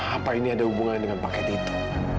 apa ini ada hubungannya dengan paket itu